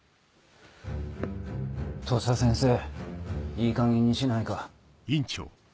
土佐先生いいかげんにしないか。